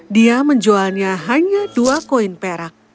dia menjualnya hanya dua koin perak